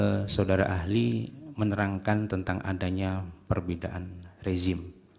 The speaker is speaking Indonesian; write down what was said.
saudara ahli menerangkan tentang adanya perbedaan rezim